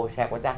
xe quách giác